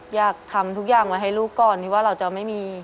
อยากทำทุกอย่างไว้ให้ลูกก่อนที่ว่าเราจะไม่มี